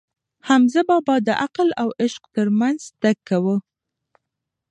حمزه بابا د عقل او عشق ترمنځ تګ کاوه.